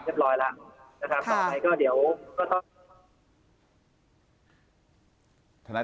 ไปสพเรียบร้อยแล้ว